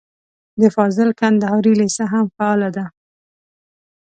د فاضل کندهاري لېسه هم فعاله ده.